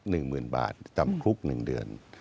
๑หมื่นบาทต่ำคลุก๑เดือน